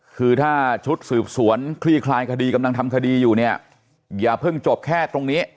คือถ้าชุดสืบสวนคลี่คลายคดีกำลังทำคดีอยู่เนี่ยอย่าเพิ่งจบแค่ตรงนี้